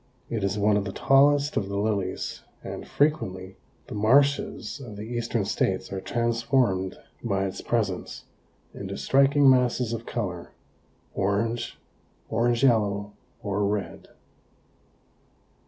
It is one of the tallest of the lilies, and frequently the marshes of the eastern states are transformed by its presence into striking masses of color, orange, orange yellow or red.